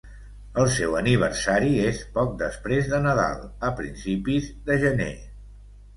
El seu aniversari és poc després de Nadal, a principis de gener